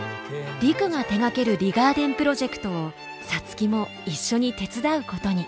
陸が手がけるリガーデンプロジェクトを皐月も一緒に手伝うことに。